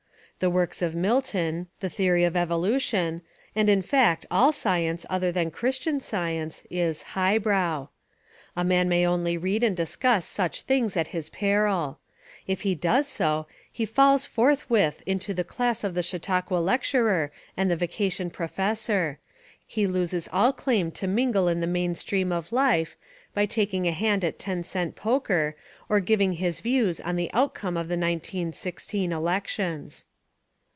The works of Mil ton, the theory of evolution, and, in fact, all science other than Christian science, is "high brow." A man may only read and discuss such things at his peril. If he does so, he falls forth with into the class of the Chautauqua lecturer and the vacation professor; he loses all claim to mingle in the main stream of life by taking a hand at ten cent poker, or giving his views on the outcome of the 191 6 elections.